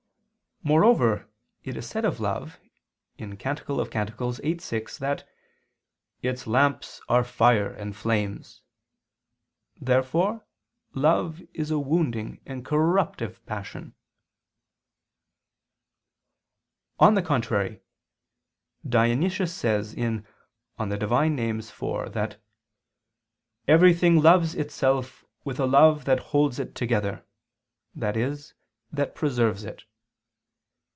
Moreover it is said of love (Cant 8:6) that "its lamps are fire and flames." Therefore love is a wounding and corruptive passion. On the contrary, Dionysius says (Div. Nom. iv) that "everything loves itself with a love that holds it together," i.e. that preserves it.